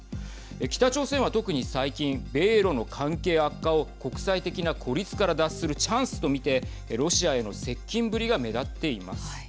北朝鮮は特に最近米ロの関係悪化を国際的な孤立から脱するチャンスと見てロシアへの接近ぶりが目立っています。